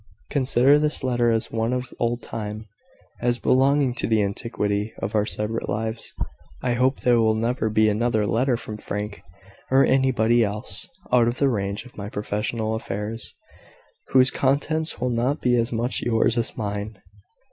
Consider this letter as one of old time as belonging to the antiquity of our separate lives. I hope there will never be another letter from Frank, or anybody else (out of the range of my professional affairs) whose contents will not be as much yours as mine.